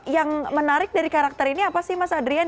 yang menarik dari karakter ini apa sih mas adrian